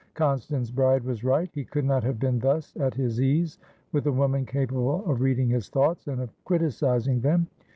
Constance Bride was right; he could not have been thus at his ease with a woman capable of reading his thoughts, and of criticising them.